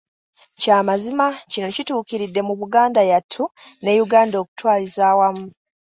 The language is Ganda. Kya mazima, kino kituukiridde mu Buganda yattu ne Uganda okutwaliza awamu.